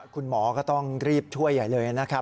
คุณหมอก็ต้องรีบช่วยใหญ่เลยนะครับ